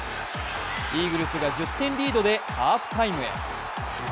イーグルスが１０点リードでハーフタイムへ。